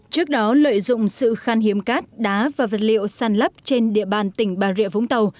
trước đó lợi dụng sự khan hiếm cát đá và vật liệu sàn lấp trên địa bàn tỉnh bà rịa vũng tàu